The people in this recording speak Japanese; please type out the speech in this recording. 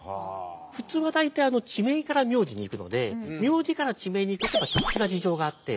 普通は大体地名から名字に行くので名字から地名にいくって特殊な事情があって。